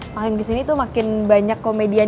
makin kesini tuh makin banyak komedian